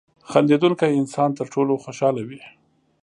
• خندېدونکی انسان تر ټولو خوشحاله وي.